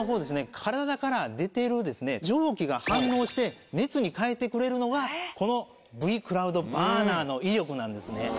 体から出てる蒸気が反応して熱に変えてくれるのがこのＶ−ｃｌｏｕｄｂｕｒｎｅｒの威力なんですね。